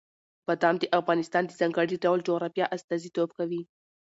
بادام د افغانستان د ځانګړي ډول جغرافیه استازیتوب کوي.